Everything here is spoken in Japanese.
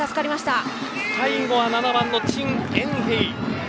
最後は７番のチン・エンヘイ。